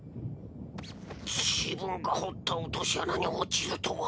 自分が堀った落とし穴に落ちるとは。